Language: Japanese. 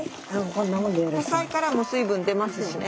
野菜からも水分出ますしね。